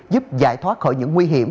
giúp giải thoát khỏi những nguy hiểm